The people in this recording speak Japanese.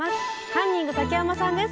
カンニング竹山さんです。